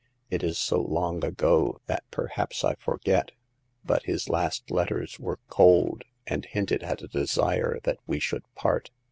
It is so long ago that perhaps I forget ; but his last letters were cold, and hinted at a desire that we should part.